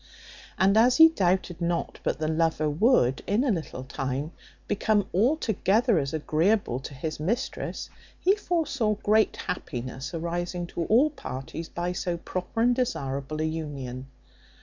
And as he doubted not but the lover would, in a little time, become altogether as agreeable to his mistress, he foresaw great happiness arising to all parties by so proper and desirable an union.